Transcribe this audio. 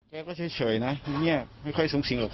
ครอบครัวรักลูกรักเมียอยู่อย่างงี้บ้าง